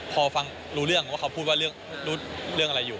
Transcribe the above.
พอฟังรู้เรื่องว่าเขาพูดว่าเรื่องอะไรอยู่